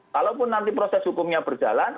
kalaupun nanti proses hukumnya berjalan